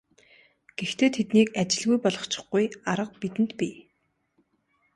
Гэхдээ тэднийг ажилгүй болгочихгүй арга бидэнд бий.